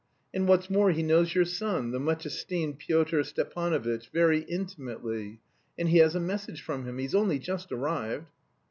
And what's more he knows your son, the much esteemed Pyotr Stepanovitch, very intimately; and he has a message from him. He's only just arrived."